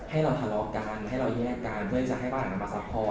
ให้เราทะเลาะกันให้เราแยกกันเพื่อให้ปลาหลังรับสัมพันธ์